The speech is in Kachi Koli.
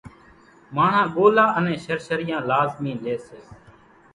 ماڻۿان ڳولا انين شرشريان لازمي لئي سي۔